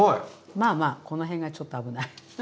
まあまあこの辺がちょっと危ない。